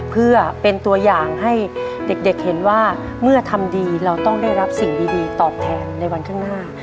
เพื่อเป็นตัวอย่างให้เด็กเห็นว่าเมื่อทำดีเราต้องได้รับสิ่งดีตอบแทนในวันข้างหน้า